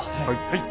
はい。